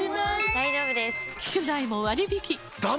大丈夫です！